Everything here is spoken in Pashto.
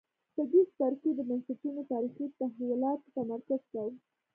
په دې څپرکي کې بنسټونو تاریخي تحولاتو تمرکز کوو.